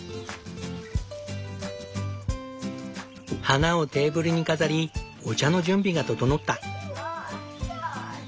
花をテーブルに飾りお茶の準備が整った。